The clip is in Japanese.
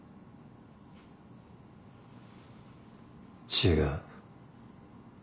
違う。